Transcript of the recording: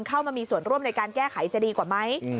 เข้ามามีส่วนร่วมในการแก้ไขจะดีกว่าไหม